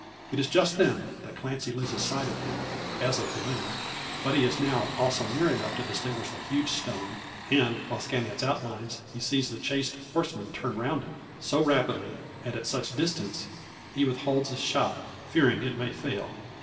It is just then that Clancy loses sight of him, as of the moon. But he is now also near enough to distinguish the huge stone; and, while scanning its outlines, he sees the chased horseman turn around it, so rapidly, and at such distance, he withholds his shot, fearing it may fail.